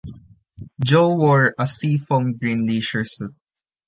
Joe wore "a seafoam green leisure suit".